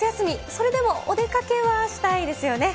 それでもお出かけはしたいですよね。